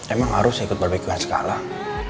emang harus ikut barbeque nya sekarang